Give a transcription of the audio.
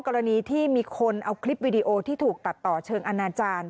กรณีที่มีคนเอาคลิปวิดีโอที่ถูกตัดต่อเชิงอนาจารย์